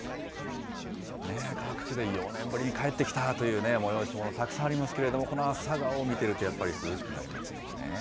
各地で４年ぶりに帰ってきたという催し物、たくさんありますけれども、この朝顔を見てると、やっぱり涼しくなりますもんね。